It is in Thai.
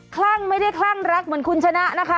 คลั่งไม่ได้คลั่งรักเหมือนคุณชนะนะคะ